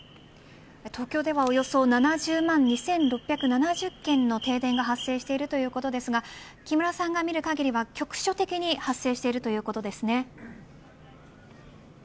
東京では７０万２６７０軒の停電が発生しているということですが木村さんが見る限り局所的に発生しているそうですね。